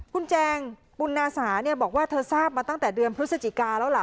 คุณแจงปุณาสาบอกว่าเธอทราบมาตั้งแต่เดือนพฤศจิกาแล้วล่ะ